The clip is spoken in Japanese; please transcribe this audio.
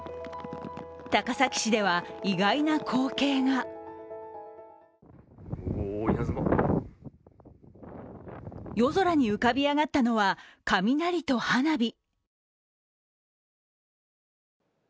高崎市では意外な光景が夜空に浮かび上がったのは、雷と花火。